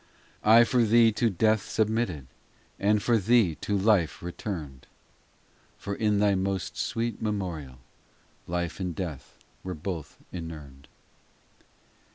VII I for thee to death submitted, And for thee to life returned ; For in thy most sweet memorial Life and death were both inurned.